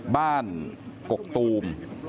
บ้านกกตุม